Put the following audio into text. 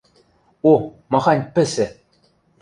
— О, махань пӹсӹ!..